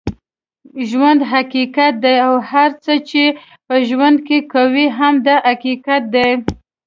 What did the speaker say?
ژوند حقیقت دی اوهر څه چې په ژوند کې کوې هم دا حقیقت دی